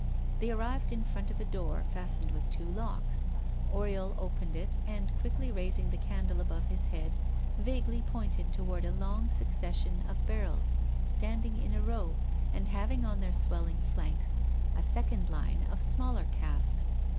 They arrived in front of a door fastened with two locks. Oriol opened it, and quickly raising the candle above his head vaguely pointed toward a long succession of barrels standing in a row, and having on their swelling flanks a second line of smaller casks.